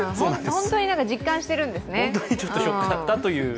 本当に実感してるんだね。